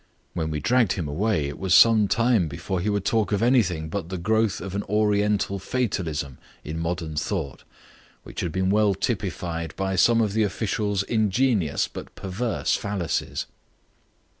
When we dragged him away it was some time before he would talk of anything but the growth of an Oriental fatalism in modern thought, which had been well typified by some of the official's ingenious but perverse fallacies.